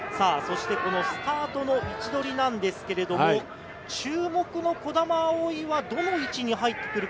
スタートの位置取りなんですけれど、注目の児玉碧衣はどの位置に入ってくるか。